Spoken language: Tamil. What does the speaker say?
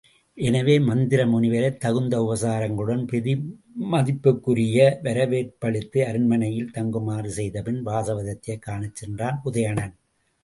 எனவே மந்தர முனிவரைத் தகுந்த உபசாரங்களுடன் பெருமதிப்பிற்குரிய வரவேற்பளித்து, அரண்மனையில் தங்குமாறு செய்தபின் வாசவதத்தையைக் காணச் சென்றான் உதயணன்.